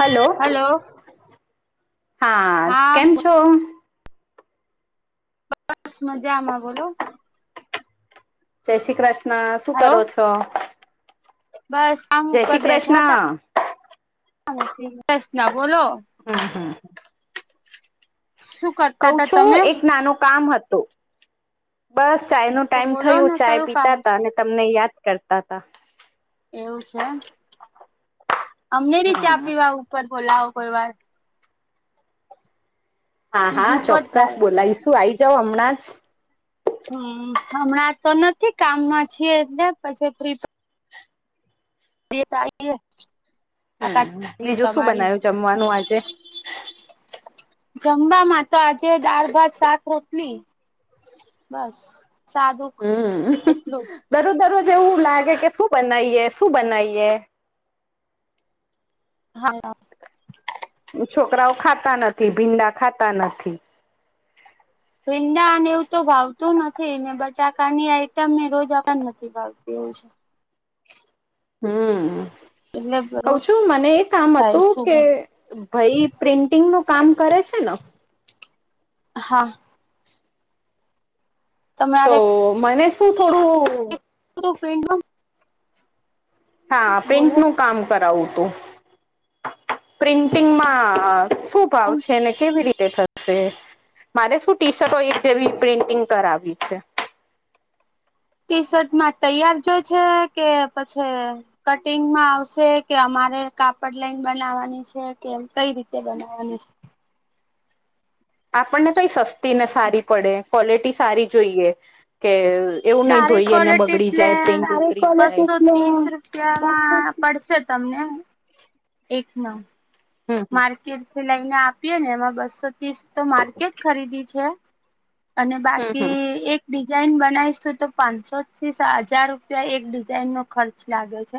Hello હા કેમ છો? બસ મજામાં બોલો. જય શ્રી કૃષ્ણ શું હલો કરો છો? બસ આમ જય ઉપર શ્રી બેઠા તા કૃષ્ણ [unintelligible] જય શ્રી કૃષ્ણ બોલો હા હા સુ કહુ છું એક નાનુ કામ હતુ. બસ ચાય નો તો ટાઈમ બોલો થયું ને ચાય કયું કામ પીતા તા અને તમને યાદ કરતા તા એવું છે અમને ભી ચા પીવા ઉપર બોલાવો કોઈ વાર હા હા બીજું કો ચોક્કસ ત્યારે બોલાયશું આવી જાઓ હમણાં જ હમ હમણાં તો નથી કામમાં છીએ એટલે પછી ફ્રી [inaudible] બીજું શું તમારી [unintelligible] બનાવ્યું જમવાનું આજે જમવામાં તો આજે દાળ-ભાત, શાક-રોટલી બસ હમ્મ એટલું જ દરરોજ દરરોજ એવું લાગે કે શું બનાવીએ શું બનાવીએ? હા [unintelligible] છોકરાઓ ખાતા નથી ભીંડા ખાતા નથી. ભીંડા અને એવું તો ભાવતું નથી ને બટાકાની આઈટમ મે રોજ હવે નથી ભાવતી એવું છે. હમ્મ એટલે કઉ રોજ છું મને એ કામ થાય હતું કે શું ભાઈ પ્રિન્ટિંગ નું કામ કરે છે ને? હા તો તમારે મને શું થોડું [unintelligible] હા બોલો પ્રિન્ટનું કામ કરાવું હતું પ્રિન્ટિંગમાં આ શું ભાવ છે ને કેવી રીતે થ શે મારે શું ટીશર્ટૉ એક જેવી પ્રિન્ટિંગ કરાવી છે. ટીશર્ટમાં તૈયાર જોય છે કે પછી કટિંગમાં આવશે કે અમારે કાપડ લાઈન બનાવાની છે કે કઈ રીતે બનાવવાની છે? આપણને કઈ સસ્તી ને સારી પડે ક્વોલિટી સારી જોઈએ કે એવું નહી સારી ધોઈએ ને ક્વોલિટી બગડી એટલે જાય પ્રિન્ટ ઉતરી જાય બસો ત્રીસ રૂપિયામાં પડશે. તમને એક મા હમ હમ માર્કેટ થી લઈને આપીએ ને એમાં બસો ત્રીસ તો માર્કેટ ખરીદી છે. અને હમ હમ બાકી એક ડિઝાઇન બનાવીશું તો પાંચસો થી સા હજાર રૂપિયા એક ડિઝઇન નો ખર્ચ લાગે છે.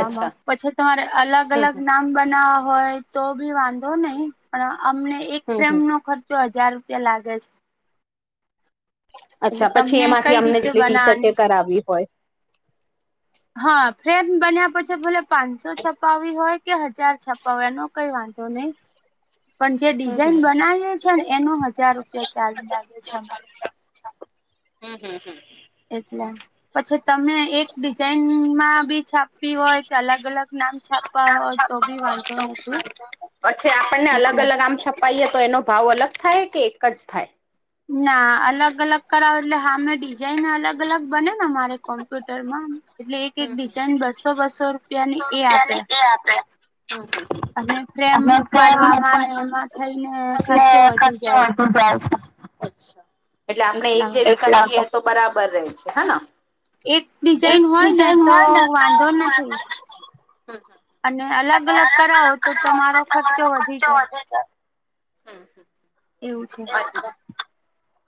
અચ્છા પછી તમારે અલગ હમ અલગ હમ નામ બનાવવા હોય તો બી વાંધો નહી પણ અમને એક હમ ફ્રેમ હમ નો ખર્ચો હજાર રૂપિયા લાગે છે. એટલે અચ્છા પછી તમને એમાંથી કઈ અમને રીતે જેટલી ટી શર્ટે બનાવાની છે કરાવી હોય. હા ફ્રેમ બન્યા પછી ભલે પાંચસો છપાવી હોય કે હજાર છપાવાય એનો કઈ વાંધો નહી. [inaudible] પણ જે હમ ડિઝાઇન હમ બનાવીએ છે ને એનો હજાર રૂપિયા ચાર્જ લાગે છે અમારે. હમ્મ હમ્મ હમ્મ એટલે પછી તમને એક ડિઝાઇનમાં બી છાપ વી હોય કે અલગ અલગ નામ છાપવા હોય તો બી વાંધો નથી. પછી આપણને અલગ એટલે અલગ આમ છપાઈએ તો એનો ભાવ અલગ થાય કે એક જ થાય? ના અલગ અલગ કરાવે એટલે હામે ડિઝાઇન અલગ અલગ બનેને અમારે કોમ્પ્યુટરમાં. એટલે એક એક ડિઝાઇન બસો બસો ર રૂપિયાની એ આપે. અને ફ્રેમ ઉપાડવામાં અને એમાં થઈને. ખર્ચો વધી જાય છે. અચ્છા એટલે આપણે એક એટલા જે માટે વિકલ્પ કઈએ તો બરાબર રહે છે હેના. એક બી એક બીજા હોય ને તો વાંધો નથી હમ. અને અલગ અલગ કરાવો તો તમારો ખર્ચો વધી જાય. [inaudible] [inaudible] એવું છે. હમ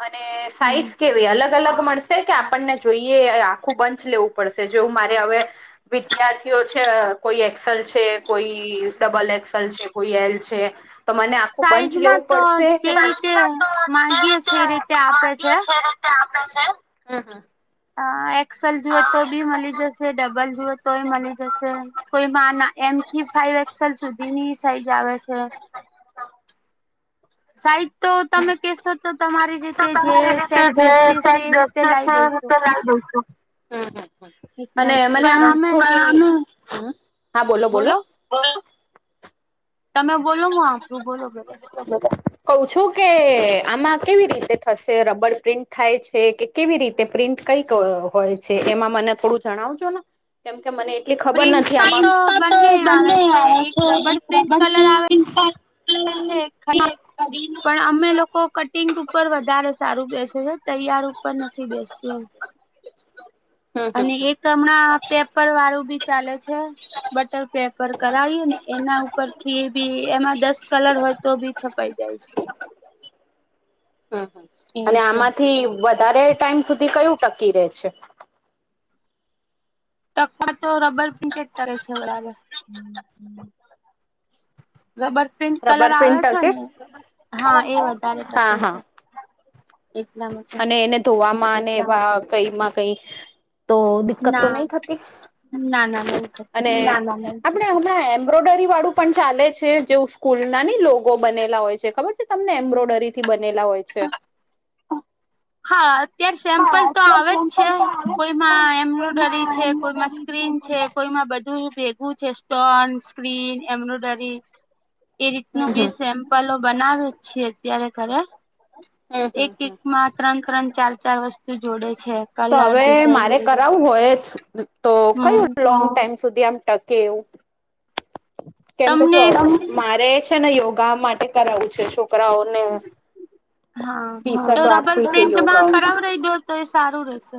અને હમ સાઈઝ કે અલગ અલગ મળશે કે આપણને જોઈએ આખું બંચ લેવું પડશે જેવું મારે હવે. વિદ્યાર્થીઓ છે કોઈ એક્સેલ છે કોઈ ડબલ એક્સેલ છે કોઈ એલ છે. તો મને આખું બંચ સાઈઝમાં લેવું તો પડશે કે રીતે માંગીએ [inaudible] જે રીતે આપે છે. તે આપે છે હમ હમ. અ એક્સેલ જુએ તો બી મળી જશે ડબલ જુએ તો મળી જશે. કોઈમાં ના એમથી ફાઈવ એકસેલ સુધીની સાઈઝ આવે છે. સાઈડ તો તમે કેશો તો તમારી રીતે જે સેટ બેસતી [unintelligible] હશે. એ રીતે લાવી દઈશું. હમ એટલે અને મને આમ પણ અમે થોડાનો હા બોલો બોલો. [unintelligible] તમે બોલો [unintelligible] કઉ છું કે આમાં કેવી રીતે થશે રબડ પ્રિન્ટ થાય છે કે. કેવી રીતે પ્રિન્ટ કઈક હોય છે એમાં મને થોડું જણાવજો ને. કેમકે મને એટલી ખબર નથી આમાં પ્રિન્ટ તો બને આવે છે એક રબર પ્રિન્ટ કે છે [inaudible] પણ અમે લોકો કટિંગ ઉપર વધારે સારું બેસે છે તૈયાર ઉપર નથી બેસતું એમ. [inaudible] હમ હમ અને એક હમણાં પેપર વાળું બી. ચાલે છે બટર પેપર કરાવીએ ને એના ઉપર. થી બી એમાં દસ કલર હોય તો બી છપાઈ જાય છે. હમ હમ છે અને એવું છે આમાંથી. વધારે ટાઈમ સુધી કયું ટકી રહે છે. ટકવા તો રબર પ્રિન્ટેડ કરે છે બરાબર લબર પ્રિન્ટ કલર રબર આવે પ્રિન્ટ છે ટકે ને હા એ વધારે ટકે હા છે હા એટલા માટે અને એને ધોવામાં ને વા કઈ માં કઈ તો દિક્કતો ના નહી થતી ના ના નહી થતી અને આપણે હમણાં એમ્બ્રોઇડરી વાળું પણ ચાલે છે જેવું સ્કૂલ ના ની લોગો બનેલા હોય છે ખબર છે તમને એમ્બ્રોઇડરી થી બનેલા હોય છે હા અત્યારે સેમ્પલ તો આવે જ છે કોઈમાં એમ્બ્રોડરી છે કોઈમાં સ્ક્રીન છે કોઈમાં બધા ભેગું છે સ્ટોન સ્ક્રીન એમ્બ્રોડરી, એ રીતનું હમ બી હમ સેમ. પલો બનાવે છેએ ત્યારે ઘરે, હમ એક હમ હમ એકમાં ત્રણ ત્રણ ચાર ચાર વસ્તુ જોડે છે તો કલર હવે ડિઝાઇન મારે બધું કરાવું હોય તો હમ કયું ંગ ટાઈમ સુધી આમ ટકે એવું? કેમકે જો તમને મારે છે ને યોગા માટે કરાવું છે છોકરાઓને. હા, ટી તો શર્ટો રબર આપવી છે પ્રિન્ટમાં યોગા કરાવ રહી દો તો એ સારું રહેશે.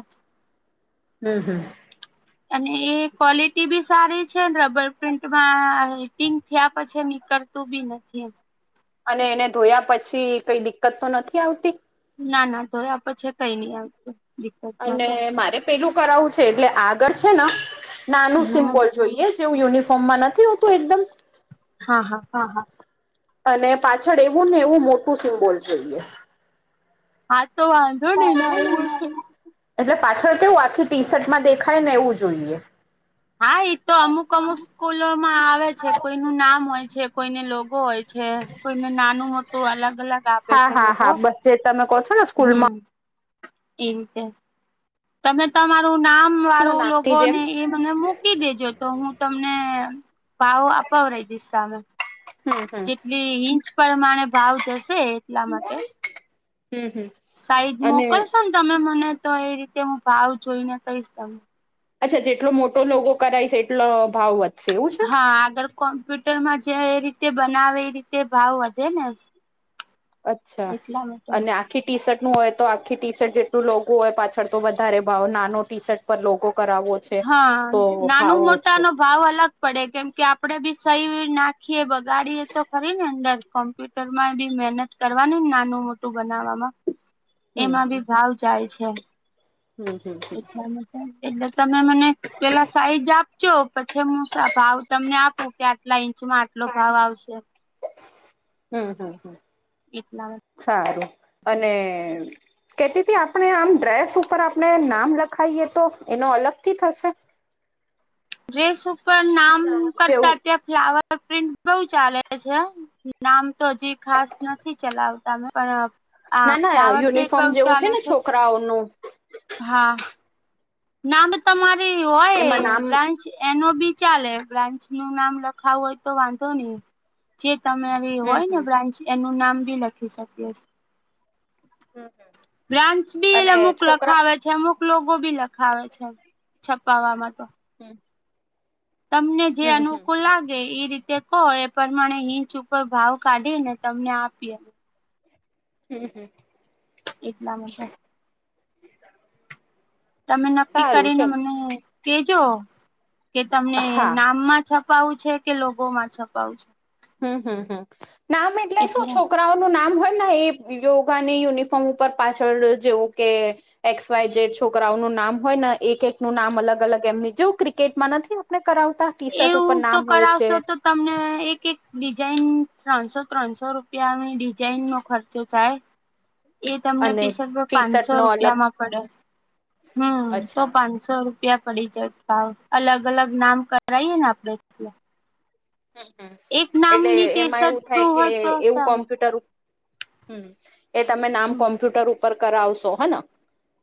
હમ હમ. અને એ ક્વોલિટી બી સારી છે રબર પ્રિન્ટમાં િંગ થયા પછી નીકળતું બી નથી એમ. અને એને ધોયા પછી કઈ દિકકત તો નથી આવતી? ના ના તોય આપ છે કઈ નઈ આવ. અને મારે પેલું કરાવવું છે એટલે આગળ છે ને નાનું હમ સિમ્બોલ. જોઈએ જેવું યુનિફોર્મમાં નથી હોતું એકદમ. હા હા. હા હા, અને પાછળ એવું ને એવું મોટું સિમ્બોલ જોઈએ. હા તો વાંધો ને નાળ એટલે પાછળ કેવું આખી ટી શર્ટમાં દેખાય ને એવું જોઈએ. હા એઈ તો અમુક અમુક સ્કૂલોમાં આવે છે કોઈ ન નામ હોય છે કોઈને લોગો હોય છે, કોઈને નાનું મોટું ું અલગ અલગ આપે હા છે હા લોગો હા બસ જે તમે ક છો. ને હમ સ્કૂલમાં ઠીક હ [unintelligible] તમે તમારું નામ વાળું નાની લોકો જેમ ને એ મને મૂકી દેજો તો હું તમને ભાવો આપાવ રહી દિશ સામે હમ હમ. જેટલી ઇંચ પ્રમાણે ભાવ જશે એટલા માટે. હમ હમ. સાઈડ અને મોકલશો ને તમે મને તો એ રીતે હું ભાવ જોઈને કહીશ તને. અચ્છા જેટલો મોટો લોકો કરાય છે એટલો ભાવ વધશે એવું છે? હા આગળ કોમ્પ્યુટરમાં જે એ રીતે બનાવે એ રીતે ભાવ વધે ને. અચ્છા, એટલા માટે. અને આ આખી ટી શર્ટ નું હોય તો આખી ટી શર્ટ જેટલું લોગું હોય પાછળ તો વધારે ભાવ નાનો ટી શર્ટ પર લોગો કરાવવો છે. હા તો ભાવ નાનું મોટા ઓછો ન ભાવ અલગ પડે કેમ કે આપડે બી સહી નાખીએ બગાડીએ તો ખરી ને અંદર કોમ્પ્યુટર માં બી મહેનત કરવાની નાનું મોટું બનાવવામાં. હ [inaudible] એમાં બી ભાવ જાય છે. હમ હમ. એલા [unintelligible] એટલે તમે મને પેલા સાઈજ આપજો પછી હું ભાવ તમને આપું. આટલા ઇંચમાં આટલો ભાવ આવશે, હમ હમ હમ એટલા. સારું, અને- કેતીથી આપણે આમ ડ્રેસ ઉપર આપણે નામ લખાવએ તો એનો અલગથી થશે? ડ્રેસ ઉપર નામ કરતા જેવું ત્યાં ફ્લાવર પ્રિન્ટ બઉ ચાલે છે. નામ તો હજી ખાસ નથી ચલાવતા મે પણ હા ના ના ફ્લાવર પ્રિન્ટ યુનિફોર્મ બઉ જેવું છે ચાલે ને છોકરાઓનું હા નામ તમારી હોય એમાં નામ બ્રાન્ચ એનો બી ચાલે બ્રાન્ચ નું નામ લખાવું હોય તો વાંધો નહી જે તમે હમ હોય ને હમ બ્રાન્ચ એનું નામ બી લખી શકીએ છીએ હમ હમ બ્રાન્ચ બી એ અમુક લખાવે છે અમુક લોકો બી લખાવે છે છપાવવામાં તો હમ તમને જે હમ અનુકૂલ લાગે કે એ રીતે કહો એ પ્રમાણે હિંચ ઉપર ભાવ કાઢી ને તમને આપીએ હમ હમ એટલા માટે તમે નક્કી સારું કરીને ચલ મને કેજો કે તમને હા નામમાં છ છપાવું છે કે લોગોમાં છપાવું છે હમ હમમ નામ એટલે શું છોકરાઓનું નામ હોયને એ યોગાની યુનિફોર્મ ઉપર પાછળ જેવું કે એક્સ વાય જેડ છોકરાઓનું નામ હોય ને એક એક નું નામ અલગ અલગ એમની જેવું ક્રિકેટમાં નથી આપને કરાવતા ટી શર્ટ ઉપર એવું તો નામ હોય છે કરાવશો તો તમને એક એક ડિઝાઇન ત્રણસો ત્રણસો રૂપિયાની ડિઝાઇન નો ખર્ચો થાય એ તમને અને પીસ ટી પાંચસો શર્ટ નો અલગ રૂપિયામાં પડે હમ તો અચ્છા પાં સો રૂપિયા પડી જાય ભાવ અલગ અલગ નામ કરાવએ ને આપડે હમમ એક એટલે નામની એમાં ટીશર્ટ એવું થાય નું કે હોય તો એવું ચાલે કોમ્પ્યુટર હમ એ તમે નામ હમ કોમ્પ્યુટર ઉપર કરાવશો હેને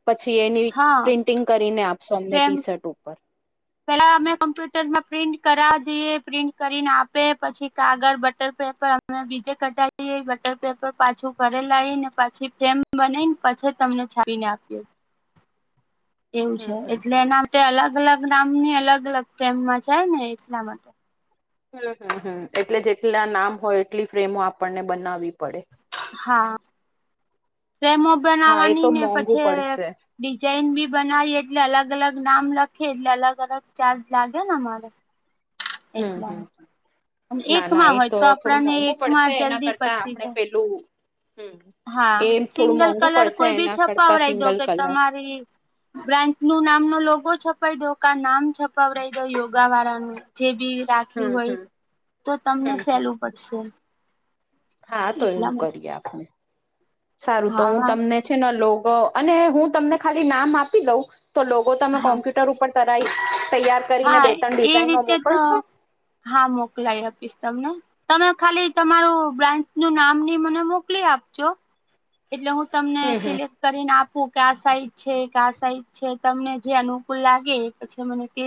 પછી એની હા પ્રિન્ટિંગ કરીને આપશો અમને કેમ ટી શર્ટ ઉપ પેલા અમે કોમ્પ્યુટરમાં પ્રિન્ટ કરાવ જઈએ પ્રિન્ટ કરીને આપે પછી કાગળ બટર પેપર તમે બીજે કઢાવ બટર પેપર પાછું ઘરે લાવ ને પાછી ફ્રેમ બનાને પછી તમને છાપીને આપીએ [inaudible] એવું છે હમ એટલે હમ એના માટે અલગ અલગ નામની અલગ અલગ પ્રેમમાં જાય ને એટલા માટે હમ હમ હમ એટલે જેટલા નામ હોય એટલી ફ્રેમો આપણને બનાવવી પડે હા પ્રેમો હા એ તો બનાવાની ને મોંઘુ પછી પડશે. ડિઝાઇન બી બનાવીએ એટલે અલગ અલગ નામ લખીએ એટલે અલગ અલગ ચાર્જ લાગે ને મારો હમ હમ અને ના ના એકમાં એ હોય તો થોડું આપણને મોંઘું પડશે એકમાં એના જલ્દી કરતા પચી આપણે જાય પેલું હમ હા એ થોડું સિંગલ મોંઘું કલર પડશે કોઈ બી એના કરતા છપાવરાઈ દો સિંગલ કે કલર. તમારી બ્રાન્ચ નું નામનો લોગો છપાવી દો ક નામ છપાવઈ દો યોગા વાળાનું જે બી રાખ્યું હમ હોય હમ. તો તમને હમ હમ સહેલું પડશે હા તો એટલા એવું માટે કરીએ આપણે સારું તો હા હું વાંધ તમને છે ને લોગ અને હું તમને ખાલી નામ આપી દઉં તો લોગ બહ તમે હા કોમ્પ્યુટર ઉપર તરાઈ તૈયાર કરીને હા બે ત્રણ એ ડિઝાઇનો રીતે તો મોકલશો? હા મોકલાય આપીશ તમને તમે ખાલી તમારું બ્રાન્ચ નું નામ નની મને મોકલી આપજો એટલે હું તમને હમ હમ. સિલેક કરીને આપું કે સાઈજ છે ક સાઈજ છે તમને જે અનુકૂલ લાગે પછી મને કે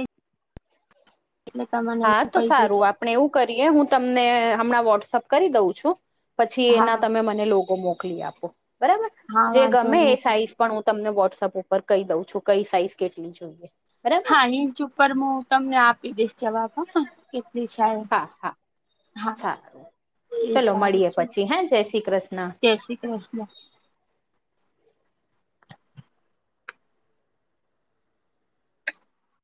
એટલે સમ હા તો સારું આપણે એવું કરીએ હું તમને હમણાં વોટ્સઅપ કરી દઉં છું પછી હા એના તમે મને લોગો મોકલી આપો બરાબર હા જે વાંધો ગમે નહી એ મોકલો સાઈઝ પણ હું તમને વોટ્સઅપ ઉપર કઈ દઉં છું કઈ સાઈઝ કેટલી જોઈએ બરાબર હા ઇંચ ઉપર હું તમને આપી દઈશ જવાબ હ કેટલી સાઇઝ હા હા હા સારું એ ચલો સારું મળીએ છે ચલો પછી હે જય શ્રી કૃષ્ણ જે શ્રી કૃષ્ણ